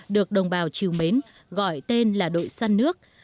được đồng bào triều mến gọi tên là đội săn nước